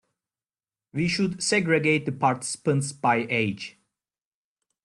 We should segregate the participants by age.